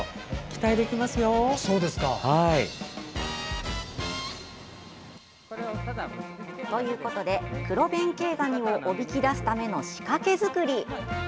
期待できますよ。ということでクロベンケイガニをおびき出すための仕掛け作り。